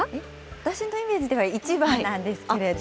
私のイメージでは１番なんですけれども。